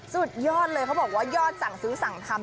สุดยอดเลยเขาบอกว่ายอดสั่งซื้อสั่งทำ